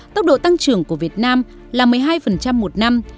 tốc độ tăng trưởng của việt nam là một mươi hai một năm